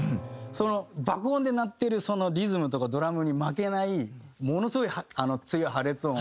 その爆音で鳴ってるリズムとかドラムに負けないものすごい強い破裂音を出して。